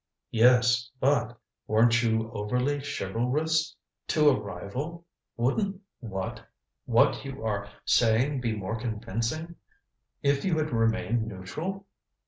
"Yes, but " "Weren't you overly chivalrous to a rival? Wouldn't what what you are saying be more convincing if you had remained neutral?"